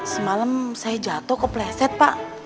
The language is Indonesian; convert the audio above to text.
semalam saya jatuh kepleset pak